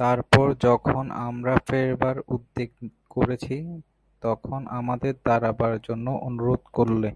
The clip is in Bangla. তারপর যখন আমরা ফেরবার উদ্যোগ করছি, তখন আমাদের দাঁড়াবার জন্য অনুরোধ করলে।